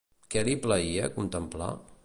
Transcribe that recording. Què li plaïa contemplar?